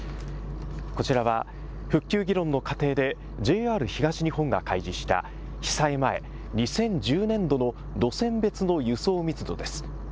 こちらは復旧議論の過程でＪＲ東日本が開示した被災前、２０１０年度の路線別の輸送密度です。